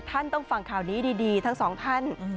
ท่านต้องฟังข่าวนี้ดีทั้งสองท่าน